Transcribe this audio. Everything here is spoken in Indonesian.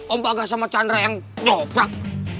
om bagas sama chandra yang jokrak